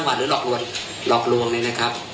กฎหมายนะครับพยานบุคคลนะครับ